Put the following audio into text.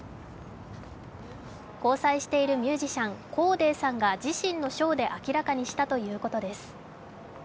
交際しているミュージシャン、コーデーさんが自身のショーで明らかにしたということです。